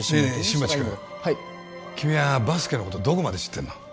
新町君はい君はバスケのことどこまで知ってるの？